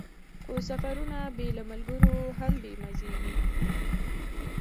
خو سفرونه بې له ملګرو هم بې مزې وي.